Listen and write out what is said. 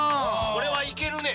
これはいけるね！